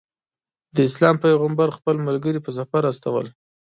د اسلام پیغمبر خپل ملګري په سفر استول.